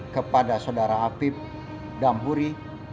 kepada saudara afib damburi